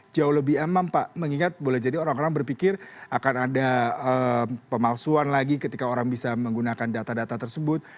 jauh lebih aman pak mengingat boleh jadi orang orang berpikir akan ada pemalsuan lagi ketika orang bisa menggunakan data data tersebut